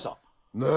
ねえ。